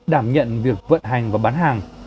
đảm nhận việc vận hành và bán hàng